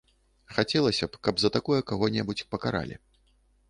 Хацелася б, каб за такое каго-небудзь пакаралі.